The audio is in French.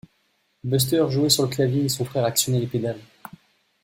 Buster jouait sur le clavier et son frère actionnait les pédales.